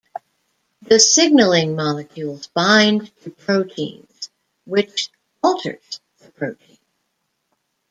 The signaling molecules bind to proteins, which alters the protein.